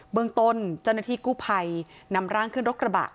เบื้องต้นเจ้าหน้าที่กู้ภัยนำร่างเครื่องรกกระบะ